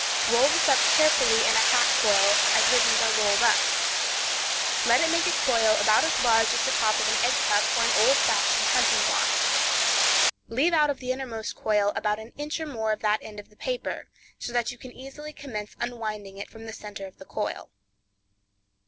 Roll this up carefully in a hat coil, as ribbons are rolled up. Let it make a coil about as large as the top of an egg cup or an old fashioned hunting watch. Leave out of the innermost coil about an inch or more of that end of the paper, so that you can easily commence unwinding it from the center of the coil.